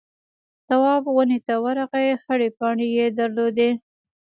تواب ونې ته ورغئ خړې پاڼې يې درلودې.